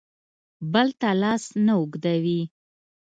بل ته لاس نه اوږدوي.